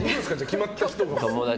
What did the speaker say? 決まった人が？